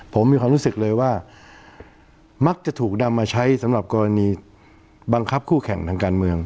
ผมมีความรู้สึกเลยว่ามักจะถูกนำมาใช้สำหรับกรณีบังคับคู่แข่งทางการเมือง